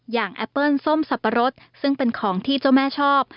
แอปเปิ้ลส้มสับปะรดซึ่งเป็นของที่เจ้าแม่ชอบ